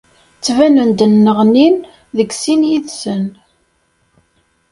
Ttbanen-d nneɣnin deg sin yid-sen.